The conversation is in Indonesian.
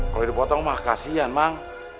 kalo dipotong mah kasihan mak